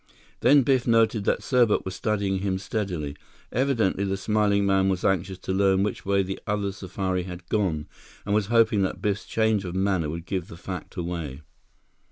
Then Biff noted that Serbot was studying him steadily. Evidently, the smiling man was anxious to learn which way the other safari had gone, and was hoping that Biff's change of manner would give the fact away.